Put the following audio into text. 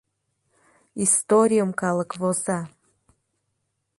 Историйым калык воза.